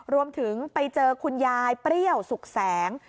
รวมถึงไปเจอคุณยายเปรี้ยวสุขแสง